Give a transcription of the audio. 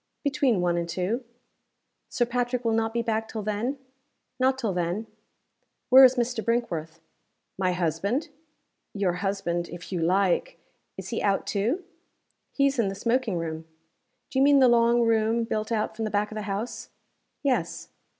"Between one and two." "Sir Patrick will not be back till then?" "Not till then." "Where is Mr. Brinkworth?" "My husband?" "Your husband if you like. Is he out, too?" "He is in the smoking room." "Do you mean the long room, built out from the back of the house?" "Yes."